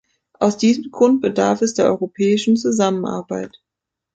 Aus diesem Grund bedarf es der europäischen Zusammenarbeit.